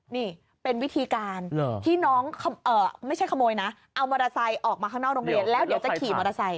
นี่เป็นวิธีการที่น้องไม่ใช่ขโมยนะเอามอเตอร์ไซค์ออกมาข้างนอกโรงเรียนแล้วเดี๋ยวจะขี่มอเตอร์ไซค